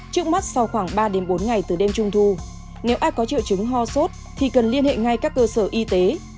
trước mắt sau khoảng ba bốn ngày từ đêm trung thu nếu ai có triệu chứng ho sốt thì cần liên hệ ngay các cơ sở y tế